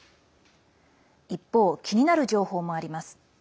一方、気になる情報もあります。